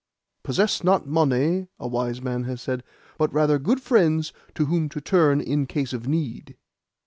'Possess not money,' a wise man has said, 'but rather good friends to whom to turn in case of need.